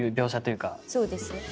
そうですね。